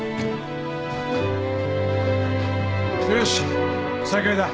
よし再開だ。